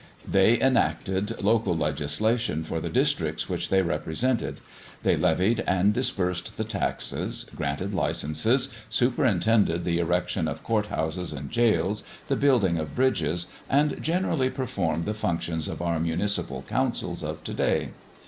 They enacted local legislation for the districts which they represented, they levied and disbursed the taxes, granted licenses, superintended the erection of court houses and gaols, the building of bridges, and generally performed the functions of our municipal councils of to day.